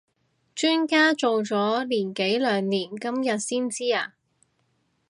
磚家做咗年幾兩年今日先知呀？